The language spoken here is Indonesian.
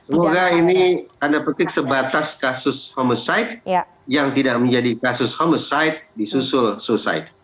semoga ini anda petik sebatas kasus homoside yang tidak menjadi kasus homoside disusul suicide